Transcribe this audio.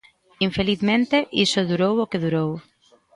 Infelizmente, iso durou o que durou.